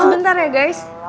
guys sebentar ya guys